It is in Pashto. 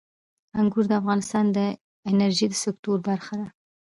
انګور د افغانستان د انرژۍ د سکتور برخه ده.